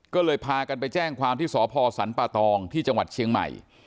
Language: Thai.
ก็เลยพากันไปแจ้งความที่สพสรรปะตองที่จังหวัดเชียงใหม่